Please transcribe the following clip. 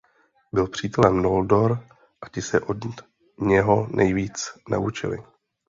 Byl přítelem Noldor a ti se od něho nejvíc naučili.